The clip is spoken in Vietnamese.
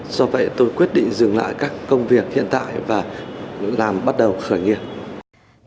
do vậy tôi quyết định dừng lại các công việc hiện tại và làm bắt đầu khởi nghiệp